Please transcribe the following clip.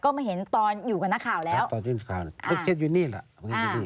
ก็มาเห็นตอนอยู่กับนักข่าวแล้วครับตอนอยู่กับนักข่าวอ่าอยู่นี่แหละ